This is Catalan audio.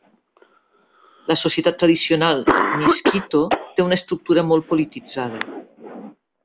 La societat tradicional miskito té una estructura molt polititzada.